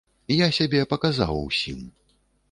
Я сябе паказаў усім.